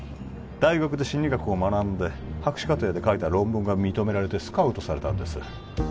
大学で心理学を学んで博士課程で書いた論文が認められてスカウトされたんです